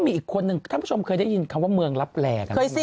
มีอีกคนนึงท่านผู้ชมเคยได้ยินว่าเมืองรับแรก